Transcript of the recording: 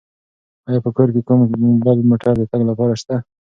آیا په کور کې کوم بل موټر د تګ لپاره شته؟